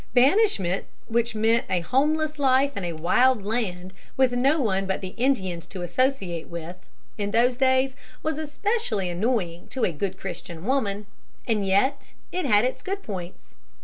Banishment, which meant a homeless life in a wild land, with no one but the Indians to associate with, in those days, was especially annoying to a good Christian woman, and yet it had its good points.